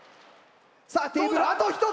さぁテーブルあと１つ。